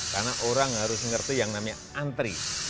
karena orang harus mengerti yang namanya antri